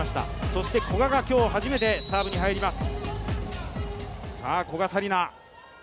そして古賀が今日、初めてサーブに入ります。